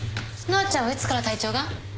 乃愛ちゃんはいつから体調が？